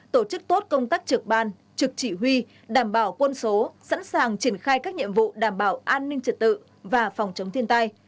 tổ chức tốt công tác trực ban trực chỉ huy đảm bảo quân số sẵn sàng triển khai các nhiệm vụ đảm bảo an ninh trật tự và phòng chống thiên tai